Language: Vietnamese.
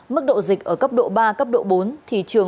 mức độ dịch ở cấp độ ba cấp độ bốn thì trường bố trí cho học trực tuyến